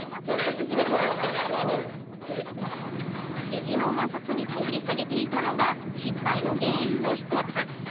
肘の摩擦に頼りすぎていたのが失敗の原因の１つ。